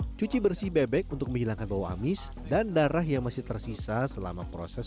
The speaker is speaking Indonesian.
hai cuci bersih bebek untuk menghilangkan bau amis dan darah yang masih tersisa selama proses